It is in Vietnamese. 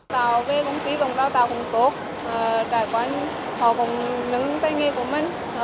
tạo về công ty cùng đào tạo cũng tốt trải quan họ cùng nâng tay nghề của mình